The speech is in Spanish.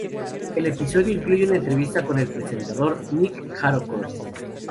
El episodio incluye una entrevista con el presentador Nic Harcourt.